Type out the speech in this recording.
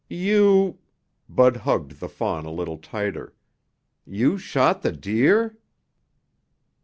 "You ..." Bud hugged the fawn a little tighter. "You shoot the deer?"